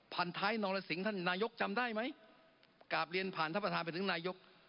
พันธายนรสิงศ์นายกจำได้ไหมกราบเรียนผ่านทหารไปถึงนายก